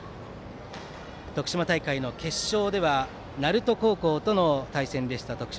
徳島大会の決勝では鳴門高校との対戦でした。